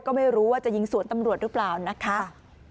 ก็ไม่รู้ว่าจะยิงสวนตำรวจหรือเปล่านะคะ